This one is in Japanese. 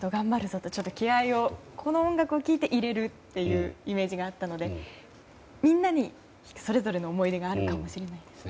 って気合を、この音楽を聴いて入れるイメージがあったのでみんなにそれぞれの思い出があるかもしれないですね。